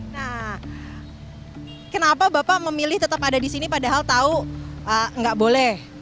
nah kenapa bapak memilih tetap ada di sini padahal tahu nggak boleh